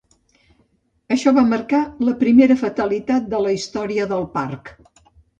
Això va marcar la primera fatalitat de la història del parc.